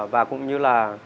và cũng như là